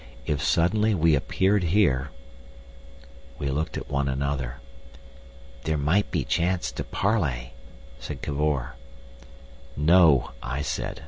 If suddenly we appeared here—" We looked at one another. "There might be a chance to parley," said Cavor. "No," I said.